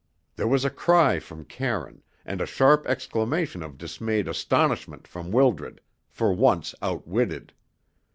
There was a cry from Karine, and a sharp exclamation of dismayed astonishment from Wildred, for once outwitted.